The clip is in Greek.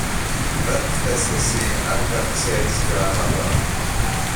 Δε φταις εσύ αν δεν ξέρεις γράμματα!